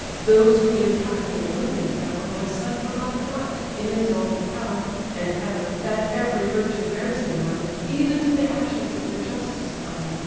Those who inhabit the Olympian bower My son forgot not, in exalted power; And heaven, that every virtue bears in mind, Even to the ashes of the just is kind.